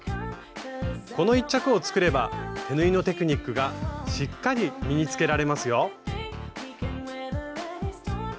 この一着を作れば手縫いのテクニックがしっかり身につけられますよ！